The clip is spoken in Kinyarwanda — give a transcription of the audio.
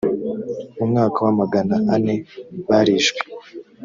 mu mwaka wa magana ane barishwe